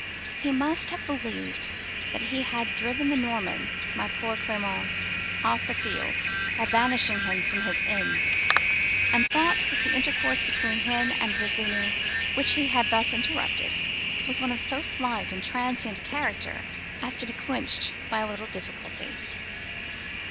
He must have believed that he had driven the Norman (my poor Clement!) off the field, by banishing him from his inn; and thought that the intercourse between him and Virginie, which he had thus interrupted, was of so slight and transient a character as to be quenched by a little difficulty.